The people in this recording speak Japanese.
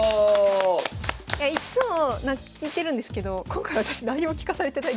いやいっつも聞いてるんですけど今回私何にも聞かされてないんですよ。